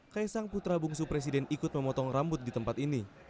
kaisang putra bungsu presiden ikut memotong rambut di tempat ini